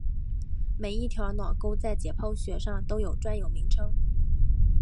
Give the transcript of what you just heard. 每一条脑沟在解剖学上都有专有名称。